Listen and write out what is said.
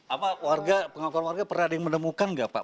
apa warga pengakuan warga pernah ada yang menemukan nggak pak